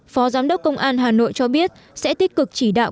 phó giám đốc công an hà nội cho biết sẽ tích cực chỉ đạo